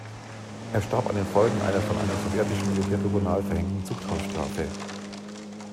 Er starb an den Folgen einer von einem sowjetischen Militärtribunal verhängten Zuchthausstrafe.